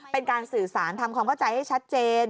เป็นการสื่อสารทำความเข้าใจให้ชัดเจน